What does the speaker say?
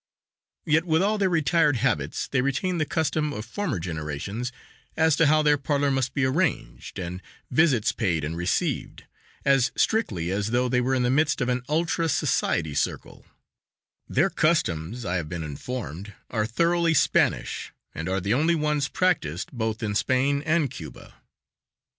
Yet with all their retired habits they retain the "custom" of former generations as to how their parlor must be arranged and visits paid and received, as strictly us though they were in the midst of an ultra society circle; their customs, I have been informed, are thoroughly Spanish and are the only ones practiced both in Spain and Cuba.